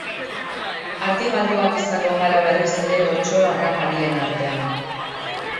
Ardi galduak izango gara berriz ere otso harraparien artean.